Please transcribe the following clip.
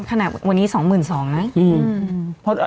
ขนาดวันนี้๒๒๐๐๐บาทไหม